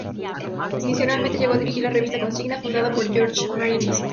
Adicionalmente, llegó a dirigir la revista "Consigna," fundada por Jorge Mario Eastman.